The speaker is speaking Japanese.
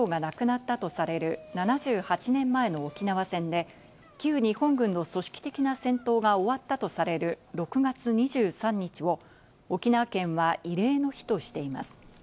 日本とアメリカ合わせて２０万人以上が亡くなったとされる７８年前の沖縄戦で、旧日本軍の組織的な戦闘が終わったとされる６月２３日を沖縄県は慰霊の日としています。